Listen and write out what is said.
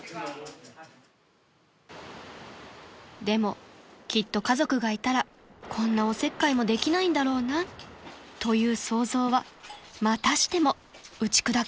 ［でもきっと家族がいたらこんなおせっかいもできないんだろうなという想像はまたしても打ち砕かれます］